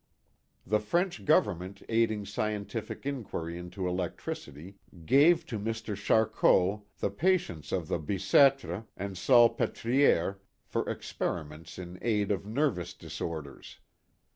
The French Government aiding scientific in quiry into electricity, gave to Dr. Charcot the patients of the Bicetre and Salpetriere for ex periments in aid of nervous disorders.